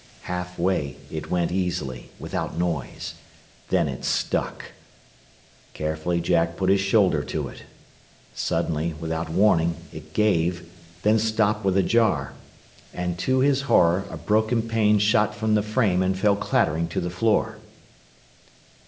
Half way it went easily, without noise. Then it stuck. Carefully Jack put his shoulder to it. Suddenly, without warning, it gave, then stopped with a jar, and to his horror a broken pane shot from the frame and fell clattering to the floor.